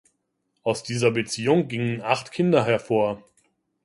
Aus dieser Beziehung gingen acht Kinder hervor.